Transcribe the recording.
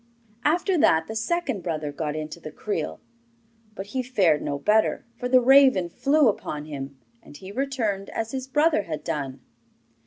After that the second brother got into the creel; but he fared no better, for the raven flew upon him, and he returned as his brother had done.